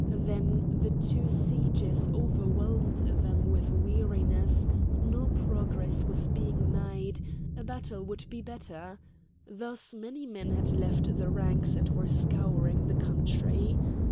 Then the two sieges overwhelmed then with weariness; no progress was being made; a battle would be better! Thus many men had left the ranks and were scouring the country.